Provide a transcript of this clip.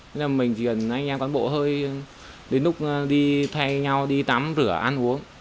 nên là mình chỉ cần anh em cán bộ hơi đến lúc đi thay nhau đi tắm rửa ăn uống